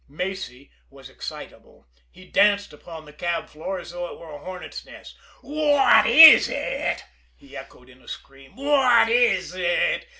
Macy was excitable. He danced upon the cab floor as though it were a hornets' nest. "What is it!" he echoed in a scream. "What is it!